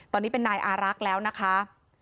ตอนนี้เป็นนายอารักษ์แล้วนะคะ